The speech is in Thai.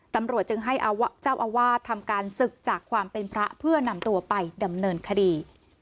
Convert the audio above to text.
ตำรวจจึงให้เจ้าอาวาสทำการศึกจากความเป็นพระเพื่อนำตัวไปดำเนินคดี